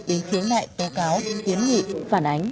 đến khiến lại tố cáo kiến nghị phản ánh